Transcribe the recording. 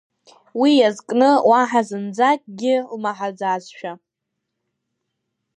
Уи иазкны уаҳа зынӡа акгьы лмаҳаӡацшәа.